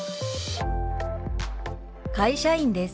「会社員です」。